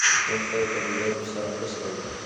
موږ باید له بې وزلو سره مرسته وکړو.